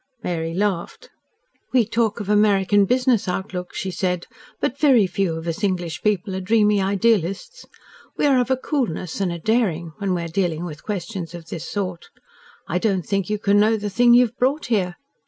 Mary laughed. "We talk of American business outlook," she said, "but very few of us English people are dreamy idealists. We are of a coolness and a daring when we are dealing with questions of this sort. I don't think you can know the thing you have brought here.